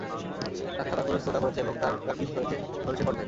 তাঁকে সাধারণ মানুষ শ্রদ্ধা করেছে এবং তাঁর গান গীত হয়েছে মানুষের কণ্ঠে।